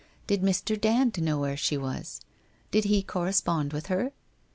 Did Mr. Dand know where she was? Did he correspond with her?